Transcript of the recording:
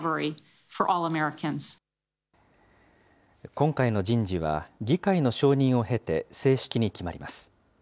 今回の人事は、議会の承認を経て正式に決まります。